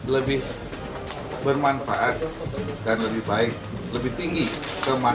lebih bermanfaat dan lebih baik lebih tinggi ke masyarakat